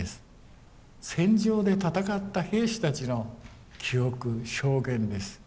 戦場で戦った兵士たちの記憶証言です。